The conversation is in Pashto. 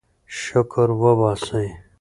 شکر وباسئ.